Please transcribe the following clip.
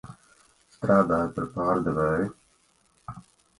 Strādāju par pārdevēju.